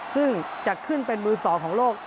ซึ่งจัดขึ้นเป็นมือ๒ของโลก